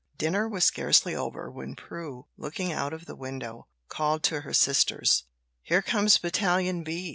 Dinner was scarcely over when Prue, looking out of the window, called to her sisters: "Here comes Battalion B."